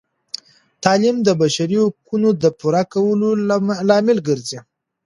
تعلیم د بشري حقونو د پوره کولو لامل ګرځي.